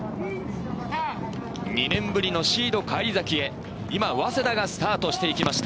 ２年ぶりのシード返り咲きへ、今、早稲田がスタートしていきました。